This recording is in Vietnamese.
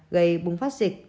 gây bùng phát dịch